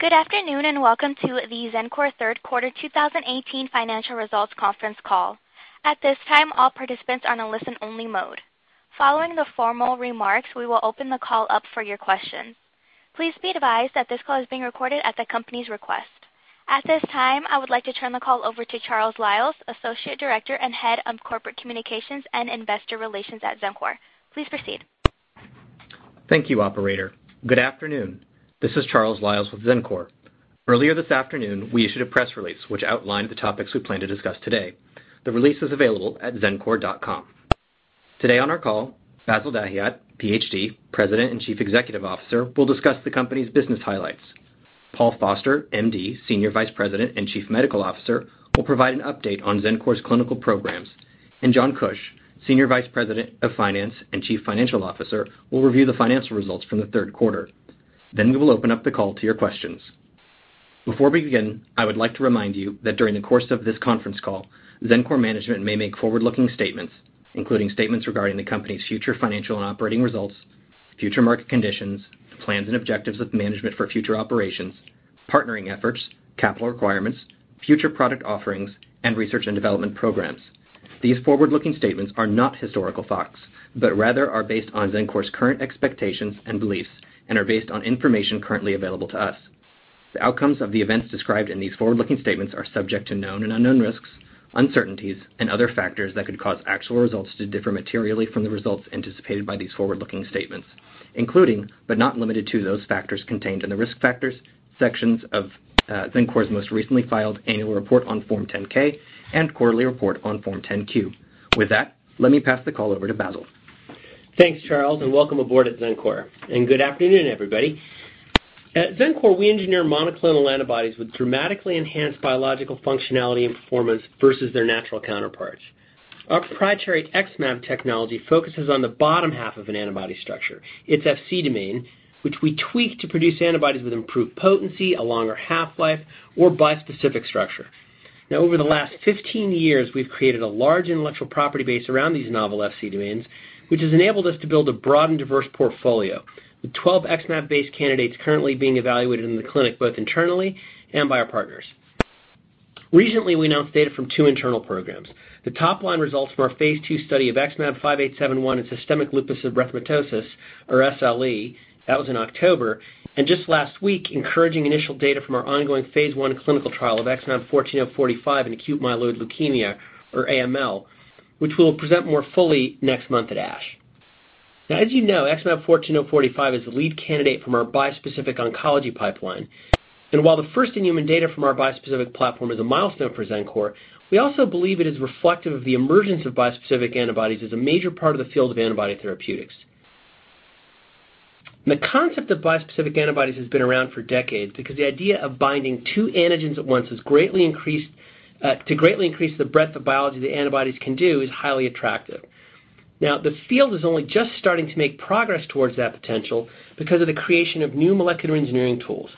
Good afternoon. Welcome to the Xencor Third Quarter 2018 financial results conference call. At this time, all participants are on a listen-only mode. Following the formal remarks, we will open the call up for your questions. Please be advised that this call is being recorded at the company's request. At this time, I would like to turn the call over to Charles Liles, Associate Director and Head of Corporate Communications and Investor Relations at Xencor. Please proceed. Thank you, operator. Good afternoon. This is Charles Liles with Xencor. Earlier this afternoon, we issued a press release which outlined the topics we plan to discuss today. The release is available at xencor.com. Today on our call, Bassil Dahiyat, PhD, President and Chief Executive Officer, will discuss the company's business highlights. Paul Foster, MD, Senior Vice President and Chief Medical Officer, will provide an update on Xencor's clinical programs. John Kuch, Senior Vice President of Finance and Chief Financial Officer, will review the financial results from the third quarter. We will open up the call to your questions. Before we begin, I would like to remind you that during the course of this conference call, Xencor management may make forward-looking statements, including statements regarding the company's future financial and operating results, future market conditions, plans and objectives of management for future operations, partnering efforts, capital requirements, future product offerings, and research and development programs. These forward-looking statements are not historical facts, but rather are based on Xencor's current expectations and beliefs and are based on information currently available to us. The outcomes of the events described in these forward-looking statements are subject to known and unknown risks, uncertainties, and other factors that could cause actual results to differ materially from the results anticipated by these forward-looking statements, including, but not limited to, those factors contained in the Risk Factors sections of Xencor's most recently filed annual report on Form 10-K and quarterly report on Form 10-Q. With that, let me pass the call over to Bassil. Thanks, Charles, and welcome aboard at Xencor. Good afternoon, everybody. At Xencor, we engineer monoclonal antibodies with dramatically enhanced biological functionality and performance versus their natural counterparts. Our proprietary XmAb technology focuses on the bottom half of an antibody structure, its Fc domain, which we tweak to produce antibodies with improved potency, a longer half-life, or bispecific structure. Over the last 15 years, we've created a large intellectual property base around these novel Fc domains, which has enabled us to build a broad and diverse portfolio, with 12 XmAb-based candidates currently being evaluated in the clinic, both internally and by our partners. Recently, we announced data from two internal programs. The top-line results from our phase II study of XmAb5871 in systemic lupus erythematosus, or SLE. That was in October. Just last week, encouraging initial data from our ongoing phase I clinical trial of XmAb14045 in acute myeloid leukemia, or AML, which we'll present more fully next month at ASH. As you know, XmAb14045 is the lead candidate from our bispecific oncology pipeline. While the first-in-human data from our bispecific platform is a milestone for Xencor, we also believe it is reflective of the emergence of bispecific antibodies as a major part of the field of antibody therapeutics. The concept of bispecific antibodies has been around for decades because the idea of binding two antigens at once to greatly increase the breadth of biology the antibodies can do is highly attractive. The field is only just starting to make progress towards that potential because of the creation of new molecular engineering tools.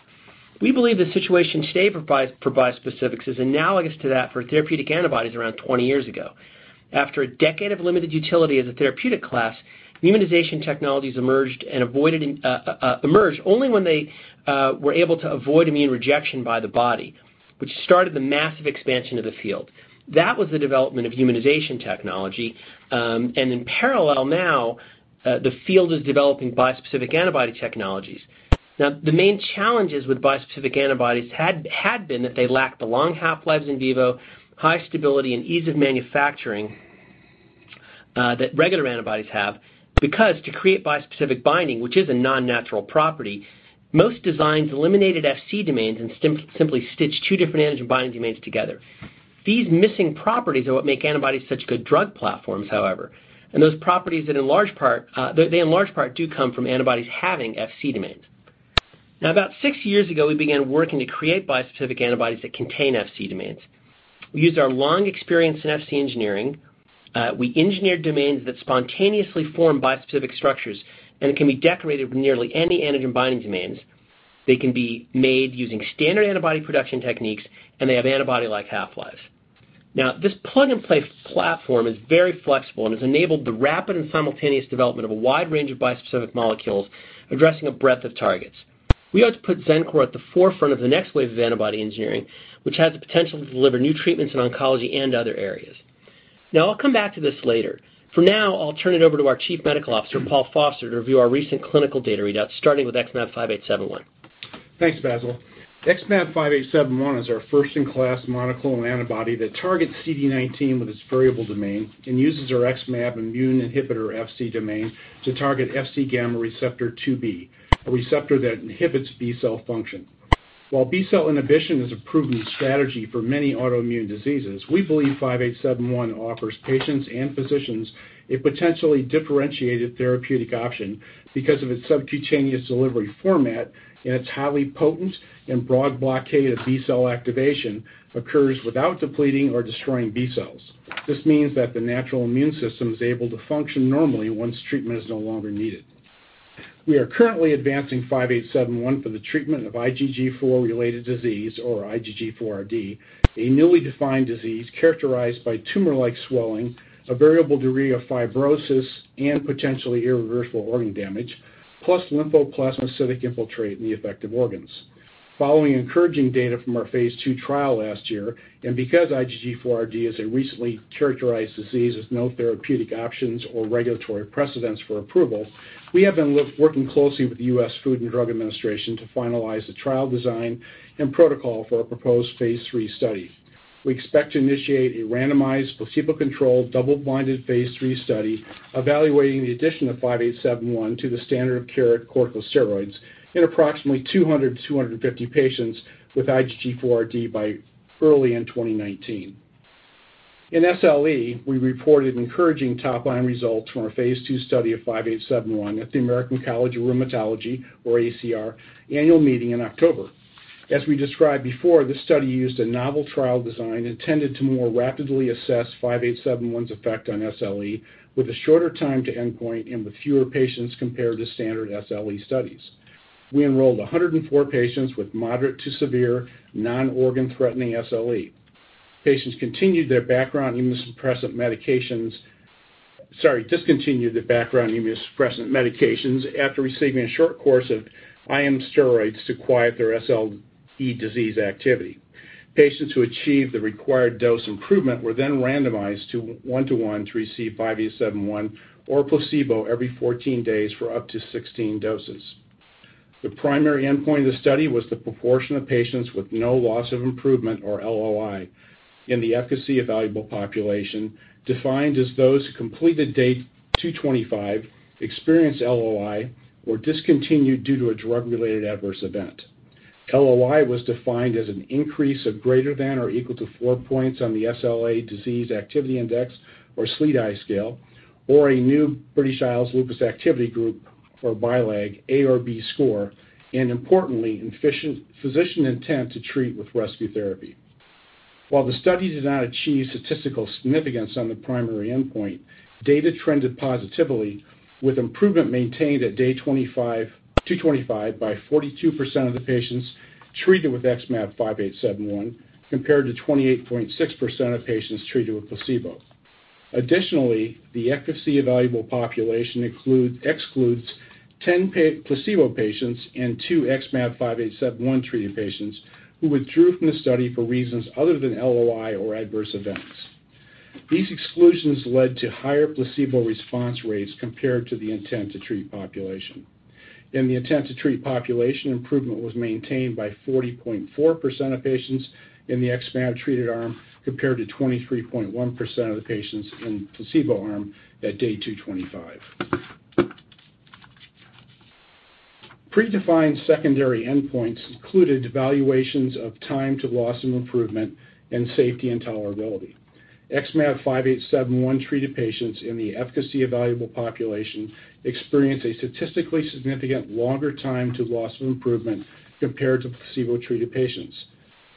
We believe the situation today for bispecifics is analogous to that for therapeutic antibodies around 20 years ago. After a decade of limited utility as a therapeutic class, humanization technologies emerged only when they were able to avoid immune rejection by the body, which started the massive expansion of the field. That was the development of humanization technology. In parallel now, the field is developing bispecific antibody technologies. The main challenges with bispecific antibodies had been that they lacked the long half-lives in vivo, high stability, and ease of manufacturing that regular antibodies have, because to create bispecific binding, which is a non-natural property, most designs eliminated Fc domains and simply stitched two different antigen binding domains together. These missing properties are what make antibodies such good drug platforms, however, and those properties they in large part do come from antibodies having Fc domains. About six years ago, we began working to create bispecific antibodies that contain Fc domains. We used our long experience in Fc engineering. We engineered domains that spontaneously form bispecific structures and can be decorated with nearly any antigen binding domains. They can be made using standard antibody production techniques, and they have antibody-like half-lives. This plug-and-play platform is very flexible and has enabled the rapid and simultaneous development of a wide range of bispecific molecules addressing a breadth of targets. We hope to put Xencor at the forefront of the next wave of antibody engineering, which has the potential to deliver new treatments in oncology and other areas. I'll come back to this later. For now, I'll turn it over to our Chief Medical Officer, Paul Foster, to review our recent clinical data readouts, starting with XmAb5871. Thanks, Bassil. XmAb5871 is our first-in-class monoclonal antibody that targets CD19 with its variable domain and uses our XmAb immune inhibitor Fc domain to target Fc gamma receptor IIb, a receptor that inhibits B-cell function. While B-cell inhibition is a proven strategy for many autoimmune diseases, we believe 5871 offers patients and physicians a potentially differentiated therapeutic option because of its subcutaneous delivery format and its highly potent and broad blockade of B-cell activation occurs without depleting or destroying B cells. This means that the natural immune system is able to function normally once treatment is no longer needed. We are currently advancing 5871 for the treatment of IgG4-related disease, or IgG4-RD, a newly defined disease characterized by tumor-like swelling, a variable degree of fibrosis, and potentially irreversible organ damage, plus lymphoplasmacytic infiltrate in the affected organs. Following encouraging data from our phase II trial last year, Because IgG4-RD is a recently characterized disease with no therapeutic options or regulatory precedents for approval, we have been working closely with the U.S. Food and Drug Administration to finalize the trial design and protocol for a proposed phase III study. We expect to initiate a randomized, placebo-controlled, double-blinded phase III study evaluating the addition of 5871 to the standard of care corticosteroids in approximately 200-250 patients with IgG4-RD by early in 2019. In SLE, we reported encouraging top-line results from our phase II study of 5871 at the American College of Rheumatology, or ACR, annual meeting in October. As we described before, this study used a novel trial design intended to more rapidly assess 5871's effect on SLE with a shorter time to endpoint and with fewer patients compared to standard SLE studies. We enrolled 104 patients with moderate to severe non-organ-threatening SLE. Patients discontinued their background immunosuppressant medications after receiving a short course of IM steroids to quiet their SLE disease activity. Patients who achieved the required dose improvement were then randomized one to one to receive 5871 or placebo every 14 days for up to 16 doses. The primary endpoint of the study was the proportion of patients with no loss of improvement, or LOI, in the efficacy-evaluable population, defined as those who completed date 225, experienced LOI, or discontinued due to a drug-related adverse event. LOI was defined as an increase of greater than or equal to four points on the SLE Disease Activity Index, or SLEDAI scale, or a new British Isles Lupus Activity Group, or BILAG, A or B score. Importantly, physician intent to treat with rescue therapy. While the study did not achieve statistical significance on the primary endpoint, data trended positively, with improvement maintained at day 225 by 42% of the patients treated with XmAb5871 compared to 28.6% of patients treated with placebo. Additionally, the efficacy-evaluable population excludes 10 placebo patients and two XmAb5871-treated patients who withdrew from the study for reasons other than LOI or adverse events. These exclusions led to higher placebo response rates compared to the intent to treat population. In the intent to treat population, improvement was maintained by 40.4% of patients in the XmAb-treated arm, compared to 23.1% of the patients in the placebo arm at day 225. Predefined secondary endpoints included evaluations of time to loss and improvement and safety and tolerability. XmAb5871-treated patients in the efficacy evaluable population experienced a statistically significant longer time to loss of improvement compared to placebo-treated patients,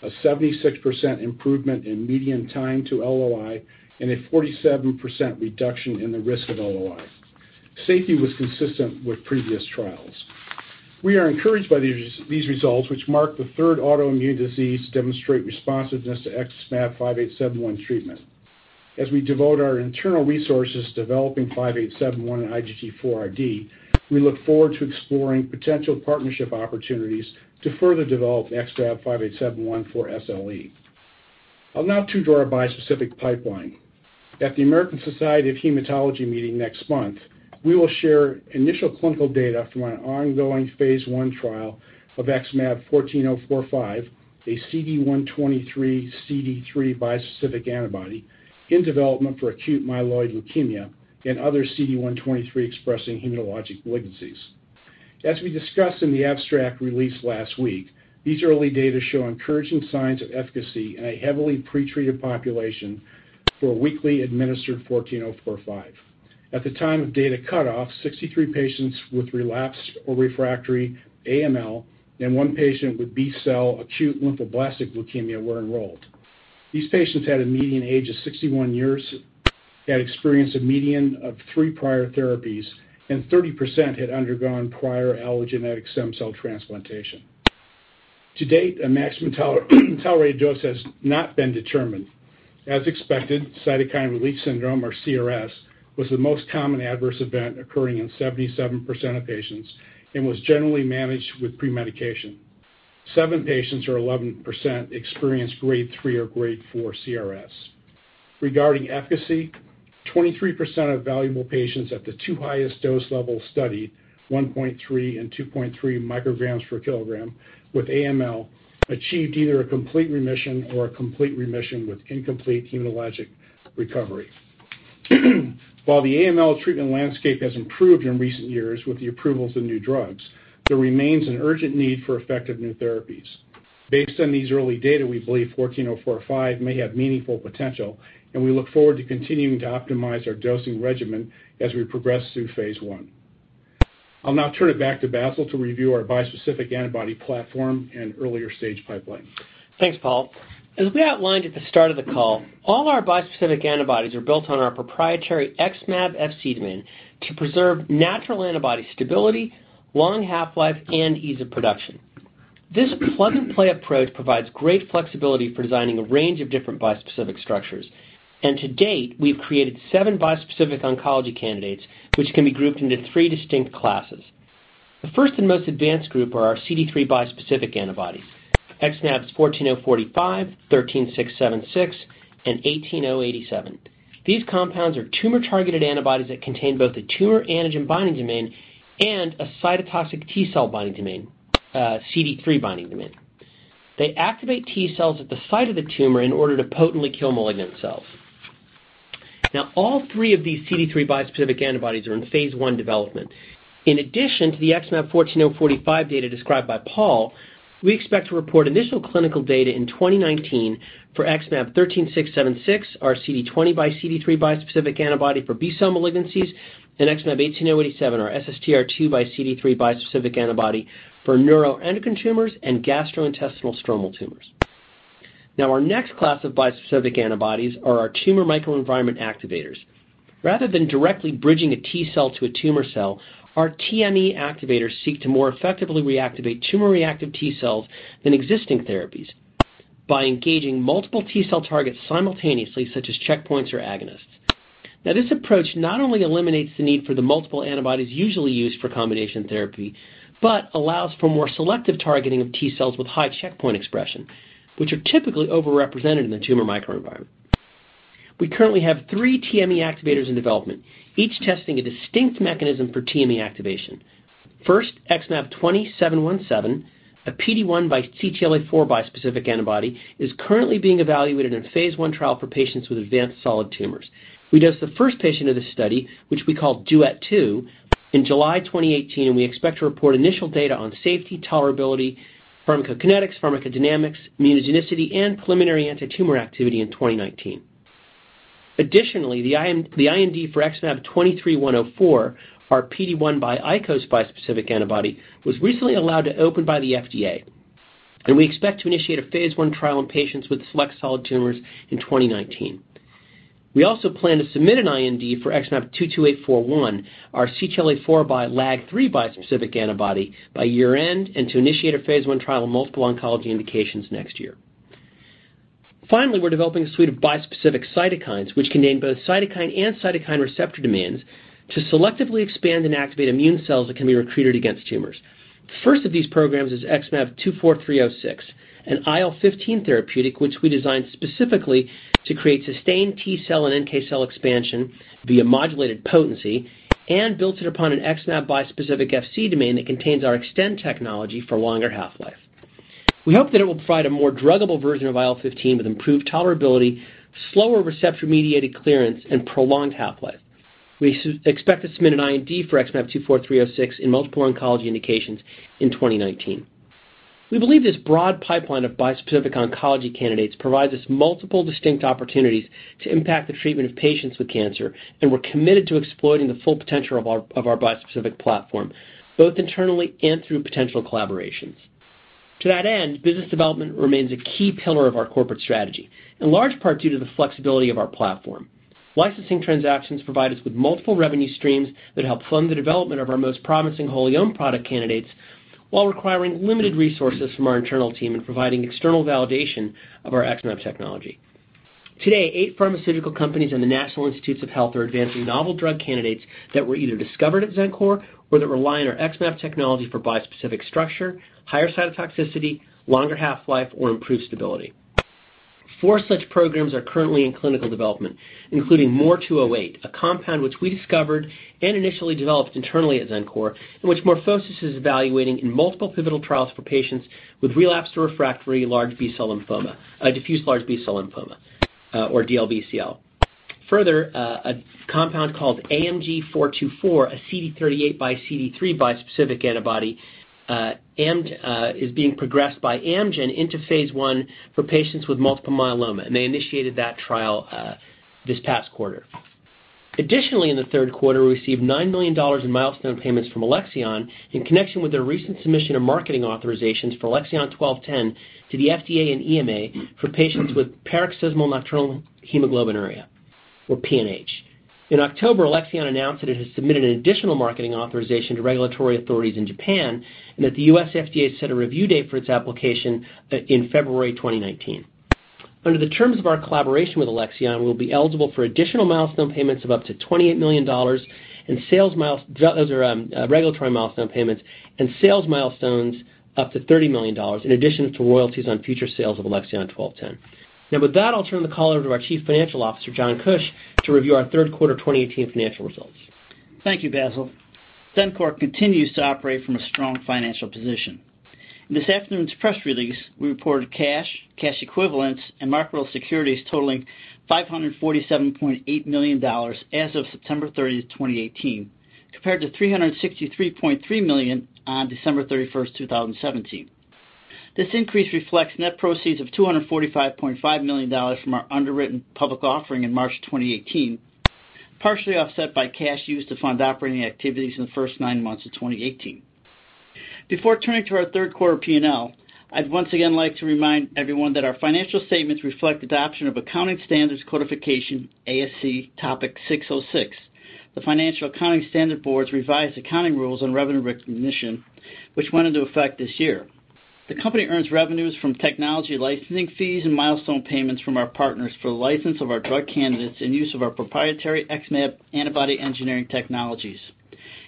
a 76% improvement in median time to LOI, and a 47% reduction in the risk of LOI. Safety was consistent with previous trials. We are encouraged by these results, which mark the third autoimmune disease to demonstrate responsiveness to XmAb5871 treatment. As we devote our internal resources to developing 5871 and IgG4-RD, we look forward to exploring potential partnership opportunities to further develop XmAb5871 for SLE. I'll now turn to our bispecific pipeline. At the American Society of Hematology meeting next month, we will share initial clinical data from an ongoing phase I trial of XmAb14045, a CD123/CD3 bispecific antibody in development for acute myeloid leukemia and other CD123-expressing hematologic malignancies. As we discussed in the abstract released last week, these early data show encouraging signs of efficacy in a heavily pretreated population for weekly administered 14045. At the time of data cutoff, 63 patients with relapsed or refractory AML and one patient with B-cell acute lymphoblastic leukemia were enrolled. These patients had a median age of 61 years, had experienced a median of three prior therapies, and 30% had undergone prior allogeneic stem cell transplantation. To date, a maximum tolerated dose has not been determined. As expected, cytokine release syndrome, or CRS, was the most common adverse event occurring in 77% of patients and was generally managed with pre-medication. Seven patients, or 11%, experienced Grade 3 or Grade 4 CRS. Regarding efficacy, 23% of evaluable patients at the two highest dose levels studied, 1.3 and 2.3 micrograms per kilogram, with AML, achieved either a complete remission or a complete remission with incomplete hematologic recovery. While the AML treatment landscape has improved in recent years with the approvals of new drugs, there remains an urgent need for effective new therapies. Based on these early data, we believe 14045 may have meaningful potential, and we look forward to continuing to optimize our dosing regimen as we progress through phase I. I'll now turn it back to Bassil to review our bispecific antibody platform and earlier-stage pipeline. Thanks, Paul. As we outlined at the start of the call, all our bispecific antibodies are built on our proprietary XmAb Fc domain to preserve natural antibody stability, long half-life, and ease of production. This plug-and-play approach provides great flexibility for designing a range of different bispecific structures. To date, we've created seven bispecific oncology candidates, which can be grouped into three distinct classes. The first and most advanced group are our CD3 bispecific antibodies, XmAb14045, XmAb13676, and XmAb18087. These compounds are tumor-targeted antibodies that contain both a tumor antigen binding domain and a cytotoxic T cell binding domain, CD3 binding domain. They activate T cells at the site of the tumor in order to potently kill malignant cells. Now, all three of these CD3 bispecific antibodies are in phase I development. In addition to the XmAb14045 data described by Paul, we expect to report initial clinical data in 2019 for XmAb13676, our CD20 x CD3 bispecific antibody for B-cell malignancies, and XmAb18087, our SSTR2 x CD3 bispecific antibody for neuroendocrine tumors and gastrointestinal stromal tumors. Our next class of bispecific antibodies are our tumor microenvironment activators. Rather than directly bridging a T cell to a tumor cell, our TME activators seek to more effectively reactivate tumor-reactive T cells than existing therapies by engaging multiple T cell targets simultaneously, such as checkpoints or agonists. This approach not only eliminates the need for the multiple antibodies usually used for combination therapy, but allows for more selective targeting of T cells with high checkpoint expression, which are typically overrepresented in the tumor microenvironment. We currently have three TME activators in development, each testing a distinct mechanism for TME activation. First, XmAb20717, a PD-1 x CTLA-4 bispecific antibody is currently being evaluated in a phase I trial for patients with advanced solid tumors. We dosed the first patient of this study, which we call DUET-2, in July 2018, and we expect to report initial data on safety, tolerability, pharmacokinetics, pharmacodynamics, immunogenicity, and preliminary antitumor activity in 2019. Additionally, the IND for XmAb23104, our PD-1 x ICOS bispecific antibody, was recently allowed to open by the FDA, and we expect to initiate a phase I trial in patients with select solid tumors in 2019. We also plan to submit an IND for XmAb22841, our CTLA-4 x LAG-3 bispecific antibody, by year-end, and to initiate a phase I trial in multiple oncology indications next year. Finally, we're developing a suite of bispecific cytokines, which contain both cytokine and cytokine receptor domains to selectively expand and activate immune cells that can be recruited against tumors. The first of these programs is XmAb24306, an IL-15 therapeutic, which we designed specifically to create sustained T cell and NK cell expansion via modulated potency and builds it upon an XmAb bispecific Fc domain that contains our extend technology for longer half-life. We hope that it will provide a more druggable version of IL-15 with improved tolerability, slower receptor-mediated clearance, and prolonged half-life. We expect to submit an IND for XmAb24306 in multiple oncology indications in 2019. We believe this broad pipeline of bispecific oncology candidates provides us multiple distinct opportunities to impact the treatment of patients with cancer, and we're committed to exploiting the full potential of our bispecific platform, both internally and through potential collaborations. To that end, business development remains a key pillar of our corporate strategy, in large part due to the flexibility of our platform. Licensing transactions provide us with multiple revenue streams that help fund the development of our most promising wholly owned product candidates while requiring limited resources from our internal team in providing external validation of our XmAb technology. Today, eight pharmaceutical companies and the National Institutes of Health are advancing novel drug candidates that were either discovered at Xencor or that rely on our XmAb technology for bispecific structure, higher cytotoxicity, longer half-life, or improved stability. Four such programs are currently in clinical development, including MOR208, a compound which we discovered and initially developed internally at Xencor and which MorphoSys is evaluating in multiple pivotal trials for patients with relapsed or refractory large B-cell lymphoma, diffuse large B-cell lymphoma, or DLBCL. A compound called AMG 424, a CD38 x CD3 bispecific antibody is being progressed by Amgen into phase I for patients with multiple myeloma, and they initiated that trial this past quarter. Additionally, in the third quarter, we received $9 million in milestone payments from Alexion in connection with their recent submission of marketing authorizations for ALXN1210 to the FDA and EMA for patients with paroxysmal nocturnal hemoglobinuria or PNH. In October, Alexion announced that it has submitted an additional marketing authorization to regulatory authorities in Japan and that the U.S. FDA set a review date for its application in February 2019. Under the terms of our collaboration with Alexion, we'll be eligible for additional regulatory milestone payments of up to $28 million and sales milestones up to $30 million, in addition to royalties on future sales of ALXN1210. With that, I'll turn the call over to our Chief Financial Officer, John Kuch, to review our third quarter 2018 financial results. Thank you, Bassil. Xencor continues to operate from a strong financial position. In this afternoon's press release, we reported cash equivalents, and marketable securities totaling $547.8 million as of September 30, 2018, compared to $363.3 million on December 31, 2017. This increase reflects net proceeds of $245.5 million from our underwritten public offering in March 2018, partially offset by cash used to fund operating activities in the first nine months of 2018. Before turning to our third quarter P&L, I'd once again like to remind everyone that our financial statements reflect adoption of Accounting Standards Codification Topic 606, the Financial Accounting Standards Board's revised accounting rules on revenue recognition, which went into effect this year. The company earns revenues from technology licensing fees and milestone payments from our partners for the license of our drug candidates and use of our proprietary XmAb antibody engineering technologies.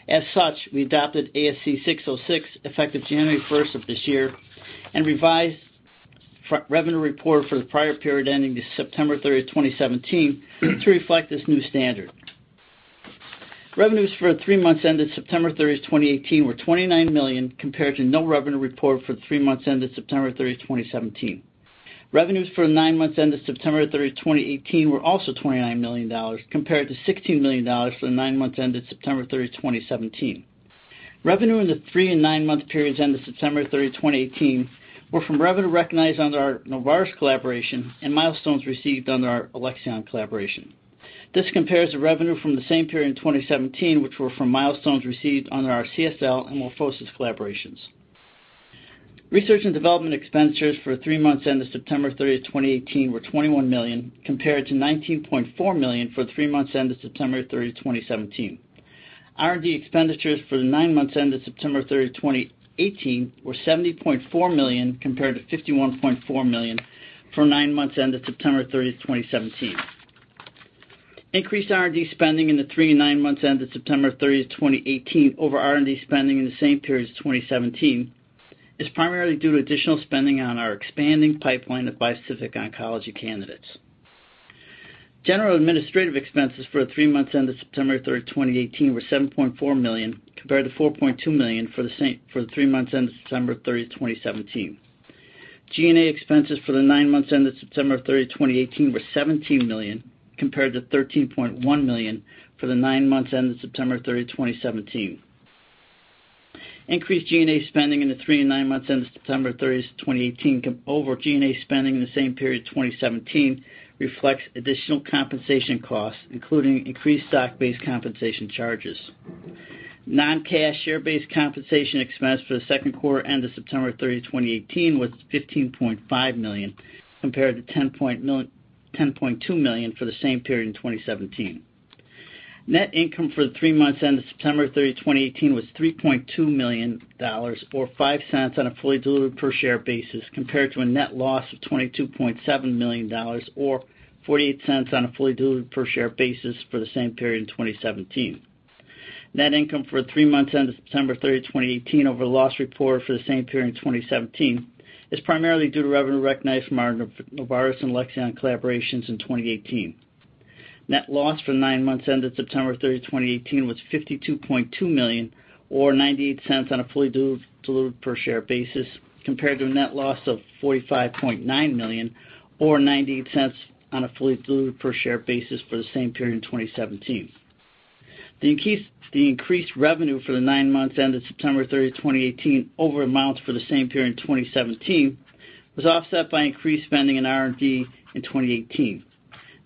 As such, we adopted ASC 606, effective January 1 of this year, and revised revenue report for the prior period ending September 30, 2017, to reflect this new standard. Revenues for the three months ended September 30, 2018 were $29 million compared to no revenue reported for the three months ended September 30, 2017. Revenues for the nine months ended September 30, 2018, were also $29 million compared to $16 million for the nine months ended September 30, 2017. Revenue in the three and nine-month periods ended September 30, 2018, were from revenue recognized under our Novartis collaboration and milestones received under our Alexion collaboration. This compares the revenue from the same period in 2017, which were from milestones received under our CSL and MorphoSys collaborations. Research and development expenditures for the three months ended September 30, 2018, were $21 million compared to $19.4 million for the three months ended September 30, 2017. R&D expenditures for the nine months ended September 30, 2018, were $70.4 million compared to $51.4 million for nine months ended September 30, 2017. Increased R&D spending in the three and nine months ended September 30, 2018, over R&D spending in the same period as 2017 is primarily due to additional spending on our expanding pipeline of bispecific oncology candidates. General administrative expenses for the three months ended September 30, 2018, were $7.4 million, compared to $4.2 million for the three months ended September 30, 2017. G&A expenses for the nine months ended September 30, 2018, were $17 million, compared to $13.1 million for the nine months ended September 30, 2017. Increased G&A spending in the three and nine months ended September 30, 2018, over G&A spending in the same period 2017 reflects additional compensation costs, including increased stock-based compensation charges. Non-cash share-based compensation expense for the second quarter ended September 30, 2018, was $15.5 million, compared to $10.2 million for the same period in 2017. Net income for the three months ended September 30, 2018, was $3.2 million, or $0.05 on a fully diluted per share basis, compared to a net loss of $22.7 million, or $0.48 on a fully diluted per share basis for the same period in 2017. Net income for the three months ended September 30, 2018, over loss reported for the same period in 2017 is primarily due to revenue recognized from our Novartis and Alexion collaborations in 2018. Net loss for the nine months ended September 30, 2018, was $52.2 million, or $0.98 on a fully diluted per share basis, compared to a net loss of $45.9 million, or $0.98 on a fully diluted per share basis for the same period in 2017. The increased revenue for the nine months ended September 30, 2018, over amounts for the same period in 2017 was offset by increased spending in R&D in 2018.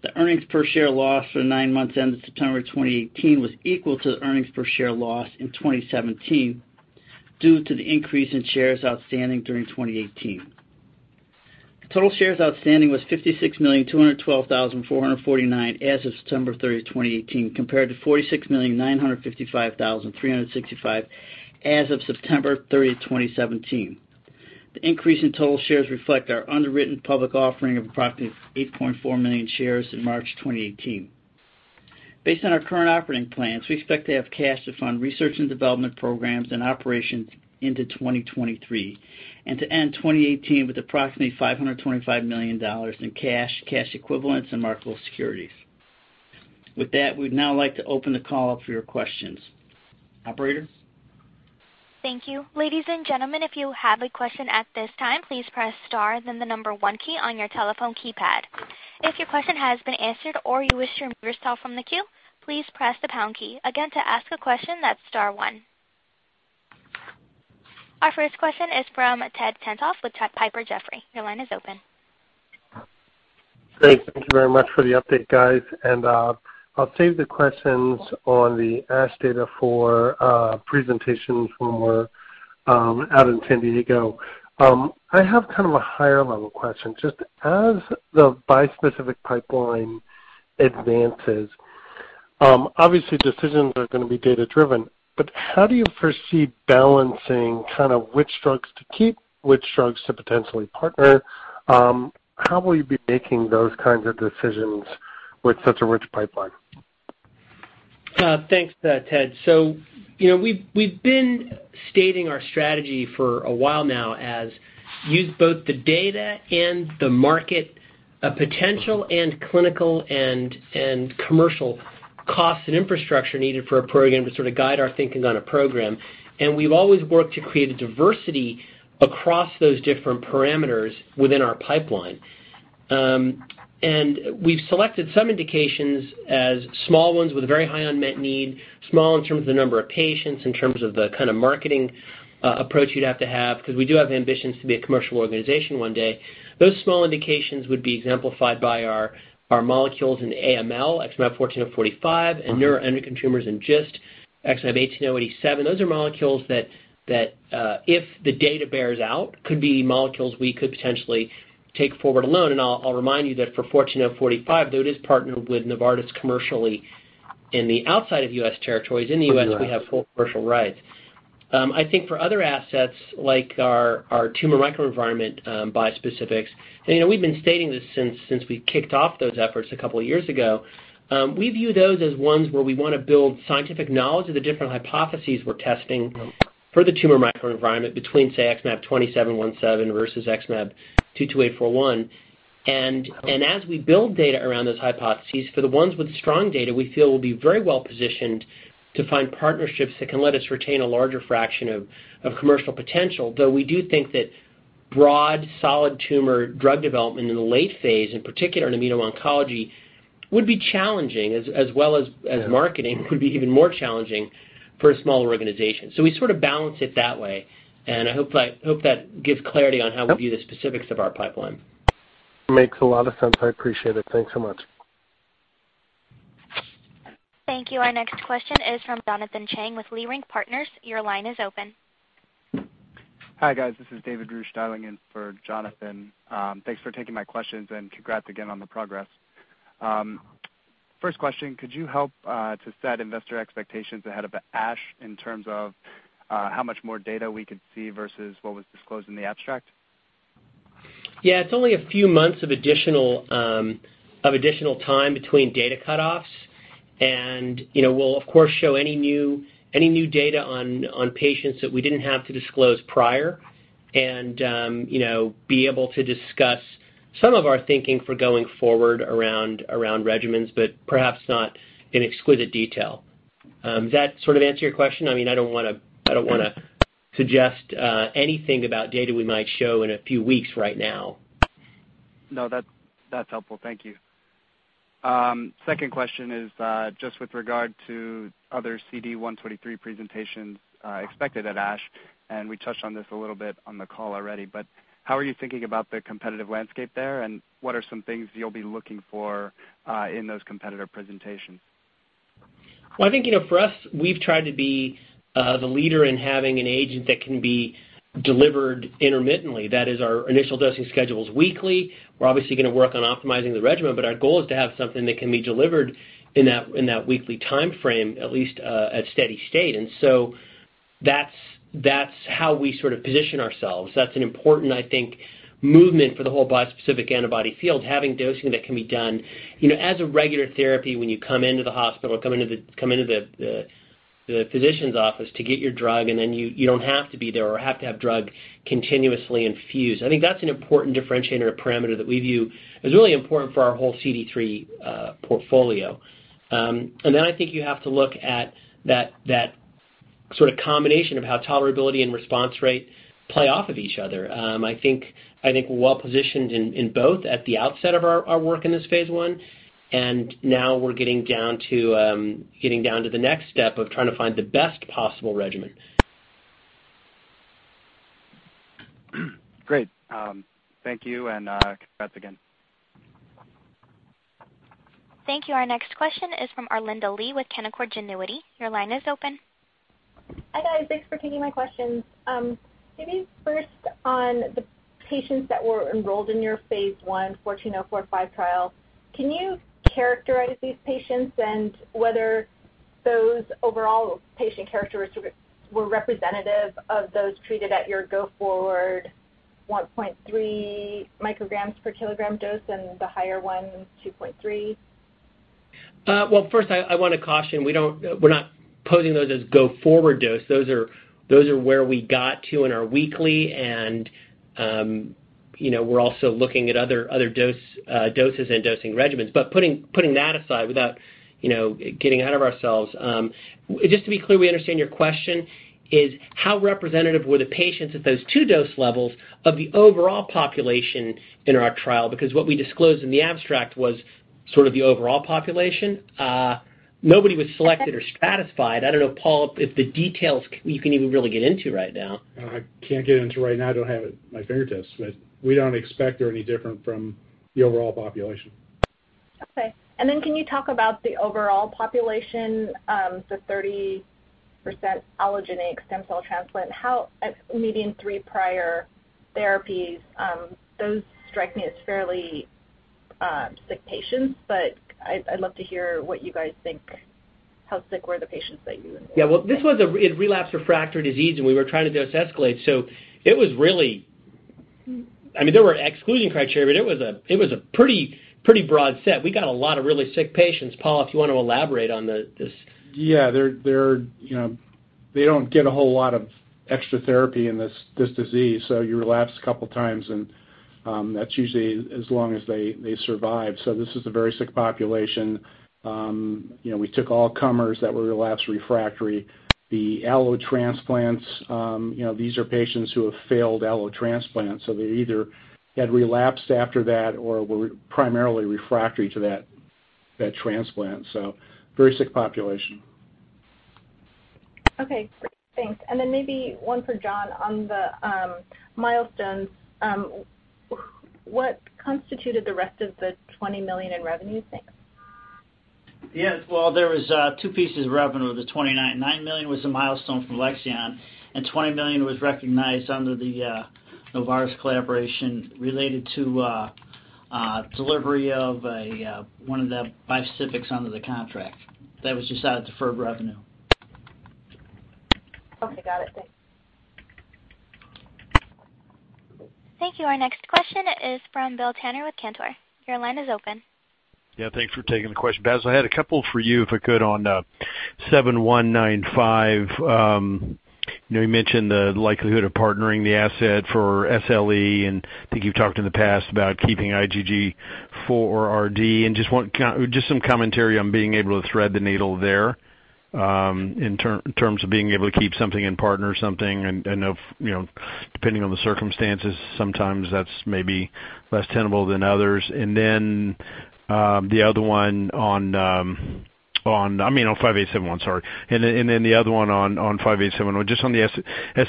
The earnings per share loss for the nine months ended September 2018 was equal to the earnings per share loss in 2017 due to the increase in shares outstanding during 2018. Total shares outstanding was 56,212,449 as of September 30, 2018, compared to 46,955,365 as of September 30, 2017. The increase in total shares reflect our underwritten public offering of approximately 8.4 million shares in March 2018. Based on our current operating plans, we expect to have cash to fund research and development programs and operations into 2023, and to end 2018 with approximately $525 million in cash equivalents, and marketable securities. With that, we'd now like to open the call up for your questions. Operator? Thank you. Ladies and gentlemen, if you have a question at this time, please press star then the number one key on your telephone keypad. If your question has been answered or you wish to remove yourself from the queue, please press the pound key. Again, to ask a question, that's star one. Our first question is from Ted Tenthoff with Piper Jaffray. Your line is open. Great. Thank you very much for the update, guys. I'll save the questions on the ASH data for presentation when we're out in San Diego. I have kind of a higher level question. Just as the bispecific pipeline advances, obviously decisions are gonna be data-driven, but how do you foresee balancing which drugs to keep, which drugs to potentially partner? How will you be making those kinds of decisions with such a rich pipeline? Thanks, Ted. We've been stating our strategy for a while now as use both the data and the market potential and clinical and commercial costs and infrastructure needed for a program to sort of guide our thinkings on a program. We've always worked to create a diversity across those different parameters within our pipeline. We've selected some indications as small ones with a very high unmet need, small in terms of the number of patients, in terms of the kind of marketing approach you'd have to have, because we do have ambitions to be a commercial organization one day. Those small indications would be exemplified by our molecules in AML, XmAb14045, and neuroendocrine tumors and GIST, XmAb18087. Those are molecules that if the data bears out, could be molecules we could potentially take forward alone. I'll remind you that for 14045, though it is partnered with Novartis commercially In the outside of U.S. territories. In the U.S.- US we have full commercial rights. I think for other assets like our tumor microenvironment bispecifics, we've been stating this since we kicked off those efforts a couple of years ago, we view those as ones where we want to build scientific knowledge of the different hypotheses we're testing for the tumor microenvironment between, say, XmAb20717 versus XmAb22841. As we build data around those hypotheses, for the ones with strong data, we feel we'll be very well-positioned to find partnerships that can let us retain a larger fraction of commercial potential, though we do think that broad solid tumor drug development in the late phase, in particular in immuno-oncology, would be challenging as well as- Yeah marketing would be even more challenging for a smaller organization. We sort of balance it that way. I hope that gives clarity on how- Yep we view the specifics of our pipeline. Makes a lot of sense. I appreciate it. Thanks so much. Thank you. Our next question is from Jonathan Chang with Leerink Partners. Your line is open. Hi, guys. This is David Ruch dialing in for Jonathan. Thanks for taking my questions, and congrats again on the progress. First question, could you help to set investor expectations ahead of ASH in terms of how much more data we could see versus what was disclosed in the abstract? Yeah. It's only a few months of additional time between data cutoffs, and we'll of course show any new data on patients that we didn't have to disclose prior and be able to discuss some of our thinking for going forward around regimens, but perhaps not in exquisite detail. Does that sort of answer your question? I don't want to suggest anything about data we might show in a few weeks right now. No, that's helpful. Thank you. Second question is just with regard to other CD123 presentations expected at ASH. We touched on this a little bit on the call already. How are you thinking about the competitive landscape there, and what are some things you'll be looking for in those competitor presentations? Well, I think, for us, we've tried to be the leader in having an agent that can be delivered intermittently. That is, our initial dosing schedule is weekly. We're obviously going to work on optimizing the regimen, but our goal is to have something that can be delivered in that weekly timeframe, at least at steady state. That's how we position ourselves. That's an important, I think, movement for the whole bispecific antibody field, having dosing that can be done as a regular therapy when you come into the hospital, come into the physician's office to get your drug, and then you don't have to be there or have to have drug continuously infused. I think that's an important differentiator parameter that we view as really important for our whole CD3 portfolio. I think you have to look at that combination of how tolerability and response rate play off of each other. I think we're well-positioned in both at the outset of our work in this phase I, now we're getting down to the next step of trying to find the best possible regimen. Great. Thank you, and congrats again. Thank you. Our next question is from Arlinda Lee with Canaccord Genuity. Your line is open. Hi, guys. Thanks for taking my questions. Maybe first on the patients that were enrolled in your phase I XmAb14045 trial, can you characterize these patients and whether those overall patient characteristics were representative of those treated at your go-forward 1.3 micrograms per kilogram dose and the higher one, 2.3? Well, first, I want to caution, we're not posing those as go forward dose. Those are where we got to in our weekly. We're also looking at other doses and dosing regimens. Putting that aside, without getting out of ourselves, just to be clear we understand your question is how representative were the patients at those 2 dose levels of the overall population in our trial? What we disclosed in the abstract was sort of the overall population. Nobody was selected or stratified. I don't know, Paul, if the details you can even really get into right now. I can't get into right now. I don't have it at my fingertips. We don't expect they're any different from the overall population. Okay. Can you talk about the overall population, the 30% allogeneic stem cell transplant, how at median three prior therapies, those strike me as fairly sick patients, but I would love to hear what you guys think. How sick were the patients that you enrolled? Well, this was a relapsed refractory disease, we were trying to dose escalate, there were exclusion criteria, but it was a pretty broad set. We got a lot of really sick patients. Paul, if you want to elaborate on this. They do not get a whole lot of extra therapy in this disease. You relapse a couple times, and that is usually as long as they survive. This is a very sick population. We took all comers that were relapsed refractory. The allo transplants, these are patients who have failed allo transplants, so they either had relapsed after that or were primarily refractory to that transplant. Very sick population. Okay, great. Thanks. Maybe one for John on the milestones. What constituted the rest of the $20 million in revenue thing? Yes. Well, there was two pieces of revenue of the $29 million. $9 million was a milestone from Alexion, and $20 million was recognized under the Novartis collaboration related to- Delivery of one of the bispecifics under the contract. That was just out of deferred revenue. Okay, got it. Thanks. Thank you. Our next question is from Bill Tanner with Cantor. Your line is open. Yeah. Thanks for taking the question. Bassil, I had a couple for you, if I could, on XmAb7195. You mentioned the likelihood of partnering the asset for SLE, and I think you've talked in the past about keeping IgG4-RD, and just some commentary on being able to thread the needle there, in terms of being able to keep something in partner something and, depending on the circumstances, sometimes that's maybe less tenable than others. And then, the other one on 5871. Sorry. And then the other one on 5871, just on the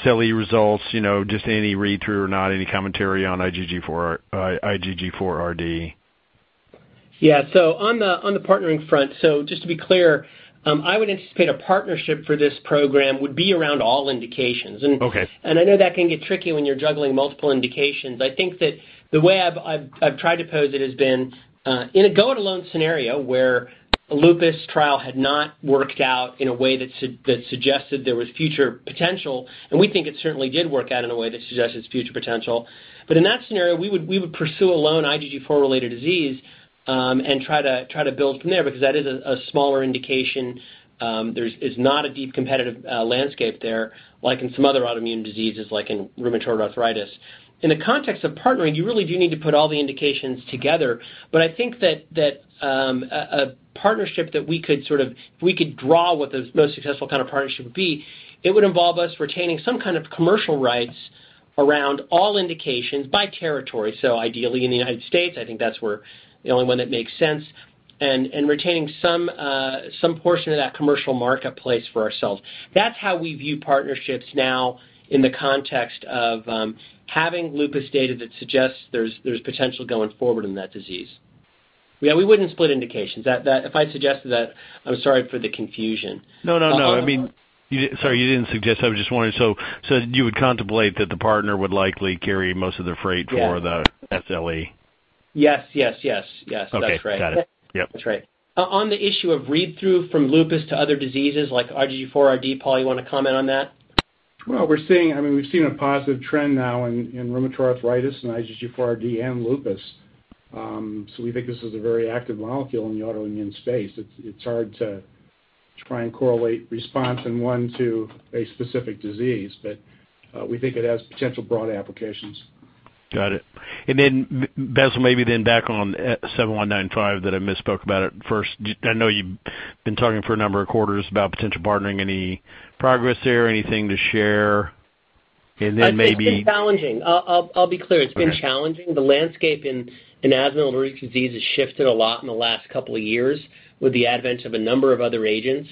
SLE results, just any read-through or not, any commentary on IgG4-RD. Yeah. On the partnering front, just to be clear, I would anticipate a partnership for this program would be around all indications. Okay. I know that can get tricky when you're juggling multiple indications, but I think that the way I've tried to pose it has been, in a go-it-alone scenario where a lupus trial had not worked out in a way that suggested there was future potential, and we think it certainly did work out in a way that suggests its future potential. In that scenario, we would pursue alone IgG4-related disease, and try to build from there, because that is a smaller indication. There's not a deep competitive landscape there, like in some other autoimmune diseases like in rheumatoid arthritis. In the context of partnering, you really do need to put all the indications together, but I think that a partnership that we could draw what the most successful kind of partnership would be, it would involve us retaining some kind of commercial rights around all indications by territory. Ideally in the United States, I think that's the only one that makes sense. Retaining some portion of that commercial marketplace for ourselves. That's how we view partnerships now in the context of having lupus data that suggests there's potential going forward in that disease. Yeah, we wouldn't split indications. If I suggested that, I'm sorry for the confusion. No. Sorry, you didn't suggest. You would contemplate that the partner would likely carry most of the freight for Yeah the SLE? Yes. That's right. Okay. Got it. Yep. That's right. On the issue of read-through from lupus to other diseases like IgG4-RD, Paul, you want to comment on that? We've seen a positive trend now in rheumatoid arthritis and IgG4-RD and lupus. We think this is a very active molecule in the autoimmune space. It's hard to try and correlate response in one to a specific disease. We think it has potential broad applications. Got it. Bassil, maybe then back on XmAb7195 that I misspoke about at first. I know you've been talking for a number of quarters about potential partnering. Any progress there? Anything to share? It's been challenging. I'll be clear. Okay. It's been challenging. The landscape in allergic disease has shifted a lot in the last couple of years with the advent of a number of other agents,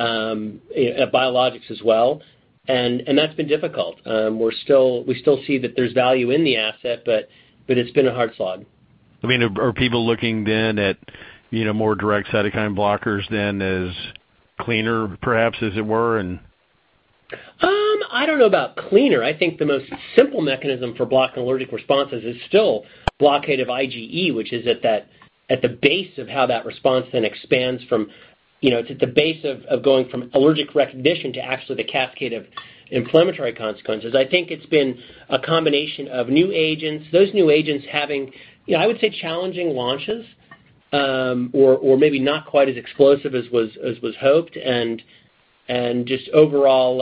biologics as well. That's been difficult. We still see that there's value in the asset, it's been a hard slog. Are people looking then at more direct cytokine blockers then as cleaner, perhaps, as it were and I don't know about cleaner. I think the most simple mechanism for blocking allergic responses is still blockade of IgE, which is at the base of how that response then expands, it's at the base of going from allergic recognition to actually the cascade of inflammatory consequences. I think it's been a combination of new agents. Those new agents having, I would say, challenging launches, or maybe not quite as explosive as was hoped and just overall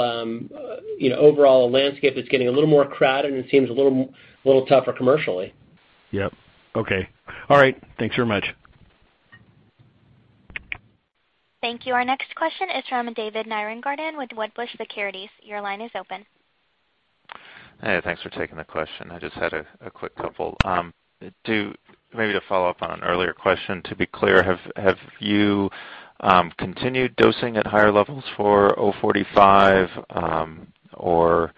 landscape is getting a little more crowded and seems a little tougher commercially. Yep. Okay. All right. Thanks very much. Thank you. Our next question is from David Nierengarten with Wedbush Securities. Your line is open. Hey, thanks for taking the question. I just had a quick couple. Maybe to follow up on an earlier question, to be clear, have you continued dosing at higher levels for 045, or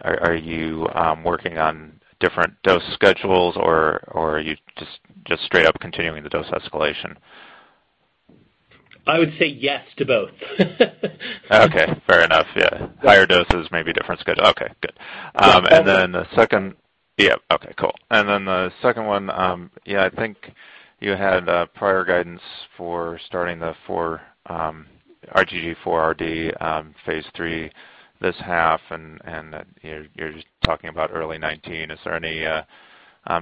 are you working on different dose schedules, or are you just straight up continuing the dose escalation? I would say yes to both. Okay. Fair enough, yeah. Higher doses, maybe different schedule. Okay, good. Yeah. Yeah. Okay, cool. The second one, I think you had prior guidance for starting the IgG4-RD phase III this half, and you're just talking about early 2019. Is there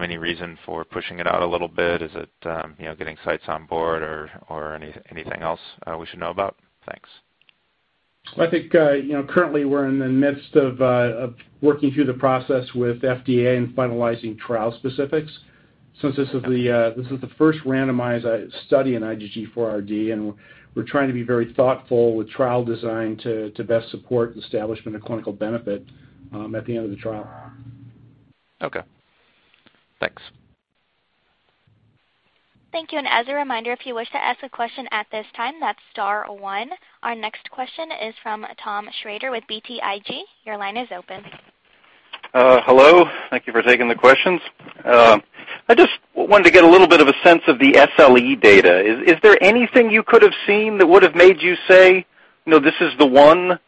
any reason for pushing it out a little bit? Is it getting sites on board or anything else we should know about? Thanks. I think, currently we're in the midst of working through the process with FDA and finalizing trial specifics. Since this is the first randomized study in IgG4-RD, and we're trying to be very thoughtful with trial design to best support establishment of clinical benefit at the end of the trial. Okay. Thanks. Thank you. As a reminder, if you wish to ask a question at this time, that's star one. Our next question is from Tom Schrader with BTIG. Your line is open. Hello. Thank you for taking the questions. I just wanted to get a little bit of a sense of the SLE data. Is there anything you could've seen that would've made you say, "This is the one"?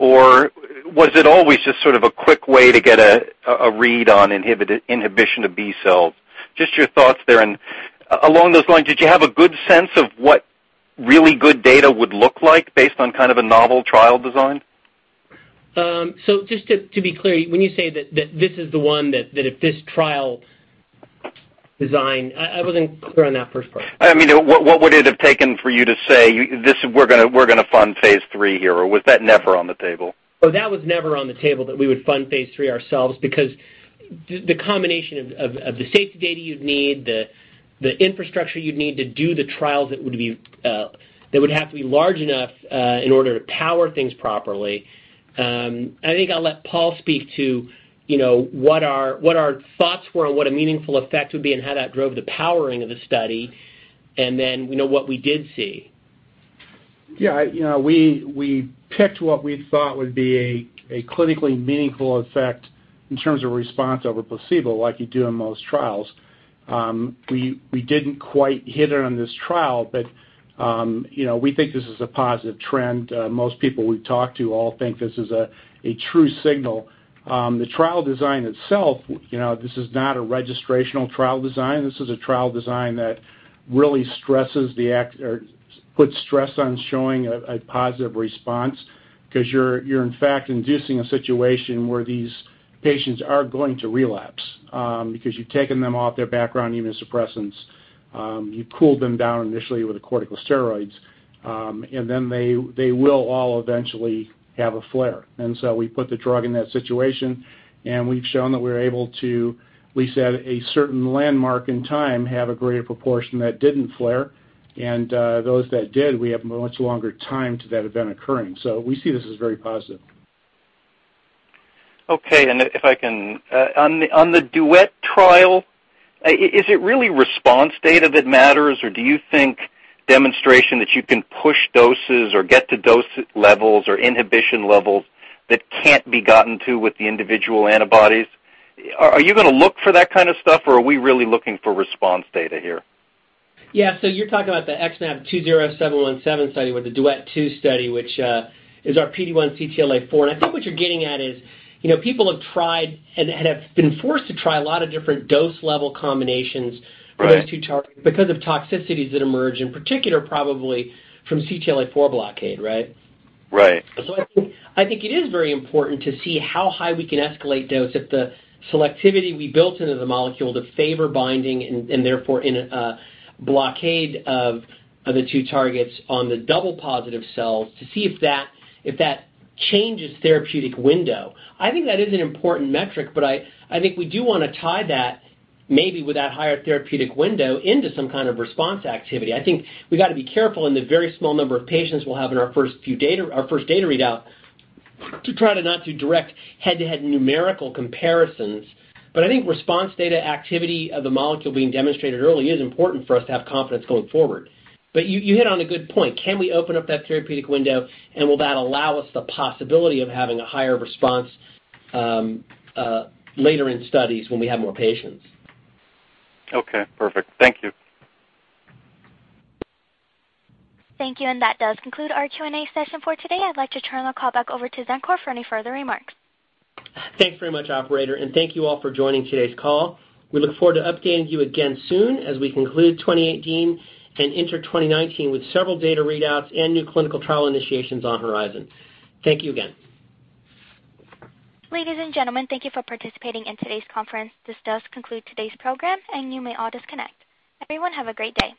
Was it always just sort of a quick way to get a read on inhibition of B-cells? Just your thoughts there. Along those lines, did you have a good sense of what really good data would look like based on kind of a novel trial design? Just to be clear, when you say that this is the one, that if this trial design I wasn't clear on that first part. I mean, what would it have taken for you to say, "We're going to fund phase III here?" Was that never on the table? That was never on the table that we would fund phase III ourselves because the combination of the safety data you'd need, the infrastructure you'd need to do the trials that would have to be large enough in order to power things properly. I think I'll let Paul speak to what our thoughts were on what a meaningful effect would be and how that drove the powering of the study and then what we did see. We picked what we thought would be a clinically meaningful effect in terms of response over placebo like you do in most trials. We didn't quite hit it on this trial, but we think this is a positive trend. Most people we've talked to all think this is a true signal. The trial design itself. This is not a registrational trial design. This is a trial design that really puts stress on showing a positive response because you're in fact inducing a situation where these patients are going to relapse because you've taken them off their background immunosuppressants. You've cooled them down initially with corticosteroids, and then they will all eventually have a flare. We put the drug in that situation, and we've shown that we're able to at least have a certain landmark in time have a greater proportion that didn't flare. Those that did, we have a much longer time to that event occurring. We see this as very positive. Okay. If I can, on the DUET, is it really response data that matters, or do you think demonstration that you can push doses or get to dose levels or inhibition levels that can't be gotten to with the individual antibodies? Are you going to look for that kind of stuff, or are we really looking for response data here? Yeah. You're talking about the XmAb20717 study or the DUET-2 study, which is our PD-1 CTLA-4. I think what you're getting at is, people have tried and have been forced to try a lot of different dose level combinations- Right for those two targets because of toxicities that emerge, in particular probably from CTLA-4 blockade, right? Right. I think it is very important to see how high we can escalate dose if the selectivity we built into the molecule to favor binding and therefore in a blockade of the two targets on the double positive cells to see if that changes therapeutic window. I think that is an important metric. I think we do want to tie that maybe with that higher therapeutic window into some kind of response activity. I think we've got to be careful in the very small number of patients we'll have in our first data readout to try to not do direct head-to-head numerical comparisons. I think response data activity of the molecule being demonstrated early is important for us to have confidence going forward. You hit on a good point. Can we open up that therapeutic window? Will that allow us the possibility of having a higher response later in studies when we have more patients? Okay, perfect. Thank you. Thank you. That does conclude our Q&A session for today. I'd like to turn the call back over to Xencor for any further remarks. Thanks very much, operator, and thank you all for joining today's call. We look forward to updating you again soon as we conclude 2018 and enter 2019 with several data readouts and new clinical trial initiations on the horizon. Thank you again. Ladies and gentlemen, thank you for participating in today's conference. This does conclude today's program, and you may all disconnect. Everyone have a great day.